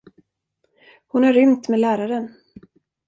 Hon har rymt med läraren.